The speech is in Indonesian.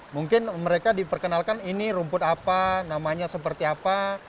mungkin mereka diperkenalkan ini rumput apa namanya seperti apa